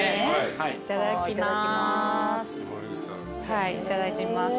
はいいただいてみます。